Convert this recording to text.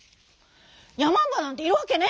「やまんばなんているわけねえ。